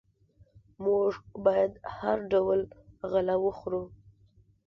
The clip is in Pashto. موږ باید هر ډول غله وخورو.